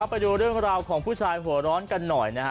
ไปดูเรื่องราวของผู้ชายหัวร้อนกันหน่อยนะฮะ